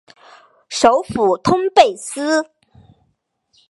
首府通贝斯。